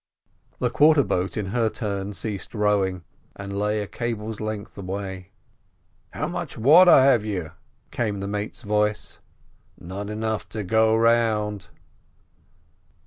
The quarter boat in her turn ceased rowing, and lay a cable's length away. "How much water have you?" came the mate's voice. "Not enough to go round."